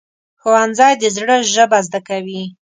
ښوونځی د زړه ژبه زده کوي